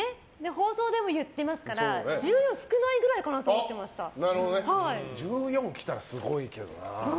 放送でも言っていますから１４は少ないぐらいかなと１４来たらすごいけどな。